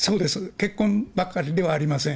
結婚ばかりではありません。